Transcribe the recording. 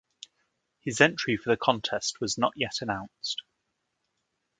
His entry for the contest was not yet announced.